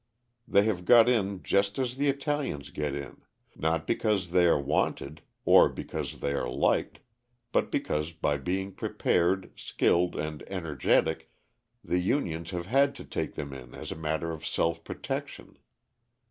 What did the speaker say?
They have got in just as the Italians get in, not because they are wanted, or because they are liked, but because by being prepared, skilled, and energetic, the unions have had to take them in as a matter of self protection.